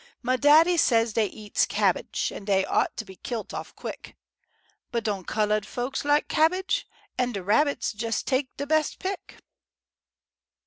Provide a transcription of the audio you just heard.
Mah daddy says dey eats cabbage An' dey ought t' be kilt off quick; But don' cullud folks lak cabbage? An' de rabbits jes' take de bes' pick.